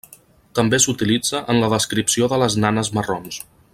També s'utilitza en la descripció de les nanes marrons.